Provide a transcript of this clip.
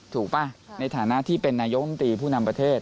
ป่ะในฐานะที่เป็นนายกรรมตรีผู้นำประเทศ